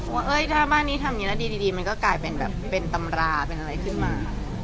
ว่าถ้าบ้านนี้ทำอย่างนี้แล้วดีมันก็กลายเป็นแบบเป็นตำราเป็นอะไรขึ้นมา